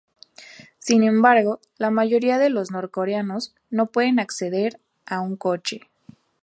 Sin embargo, la mayoría de los norcoreanos no puede acceder a un coche.